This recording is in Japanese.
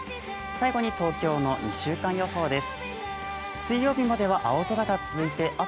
最後に東京の２週間予報です。